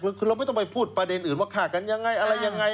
เราไม่ต้องไปพูดประเด็นอื่นว่าฆ่ากันยังไง